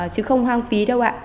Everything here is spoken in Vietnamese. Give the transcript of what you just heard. chứ không hoang phí đâu ạ